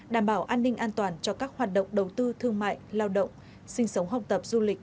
đảm bảo an ninh an toàn cho các hoạt động đầu tư thương mại lao động sinh sống học tập du lịch